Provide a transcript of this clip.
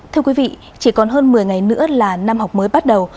thưa quý vị chỉ còn hơn một mươi ngày nữa là năm học mới bắt đầu